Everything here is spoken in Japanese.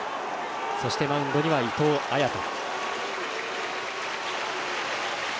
そして、マウンドには伊藤彩斗。